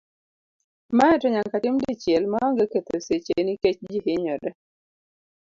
Mae to nyaka tim dichiel ma onge ketho seche nikech ji hinyore.